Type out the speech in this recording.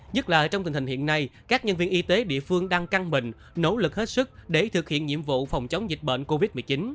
nhất là trong tình hình hiện nay các nhân viên y tế địa phương đang căng mình nỗ lực hết sức để thực hiện nhiệm vụ phòng chống dịch bệnh covid một mươi chín